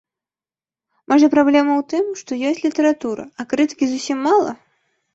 Можа, праблема ў тым, што ёсць літаратура, а крытыкі зусім мала?